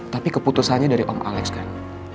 tapi keputusannya dari om alex kan